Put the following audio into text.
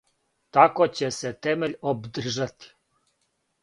Тако ће се темељ обдржати,